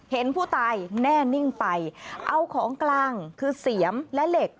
เห็นผู้ตายแน่นิ่งไปเอาของกลางคือเสียมและเหล็ก